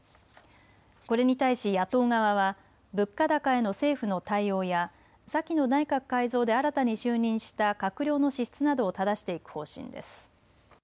これに対し野党側は物価高への政府の対応や先の内閣改造で新たに就任した閣僚の資質などをただしていく方針です。